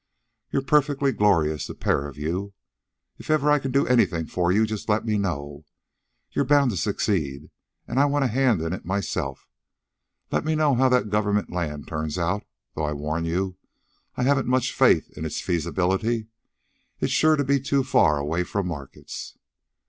You're perfectly glorious, the pair of you. If ever I can do anything for you, just let me know. You're bound to succeed, and I want a hand in it myself. Let me know how that government land turns out, though I warn you I haven't much faith in its feasibility. It's sure to be too far away from markets."